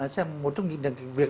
xem một trong những việc